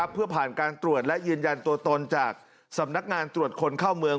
เพื่อผ่านการตรวจและยืนยันตัวตนจากสำนักงานตรวจคนเข้าเมือง